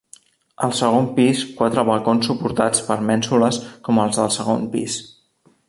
Al segon pis quatre balcons suportats per mènsules com els del segon pis.